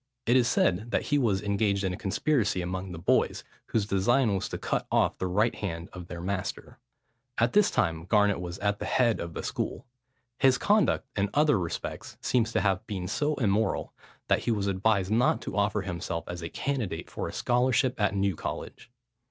It is said that he was engaged in a conspiracy among the boys, whose design was to cut off the right hand of their master. At this time Garnet was at the head of the school. His conduct in other respects seems to have been so immoral, that he was advised not to offer himself as a candidate for a scholarship at New College.